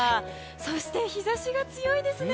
そして、日差しが強いですね！